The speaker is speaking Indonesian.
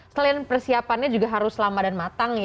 selain persiapannya juga harus lama dan matang ya